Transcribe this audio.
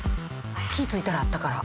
気ぃ付いたらあったから。